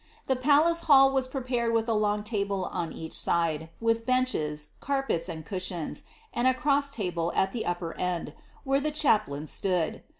The (mlnre hall wa^ prepared with a long table on each aide, with benches, ratpeui, and euahiong, and a eross table at the upper end, where the chaplrfin sioix).